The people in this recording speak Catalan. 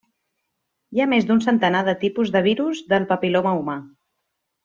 Hi ha més d'un centenar de tipus de virus del papil·loma humà.